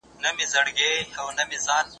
دې ښارته به د اوښکو د سېلونو سلا نه وي